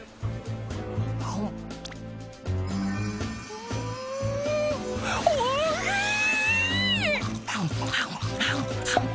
うんおいしい！